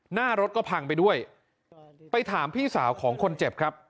หน้ารถก็พังไปด้วยไปถามพี่สาวของคนเจ็บครับ